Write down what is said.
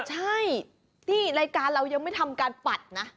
ใช่ที่รายการเรายังไม่ทำการปัดนะ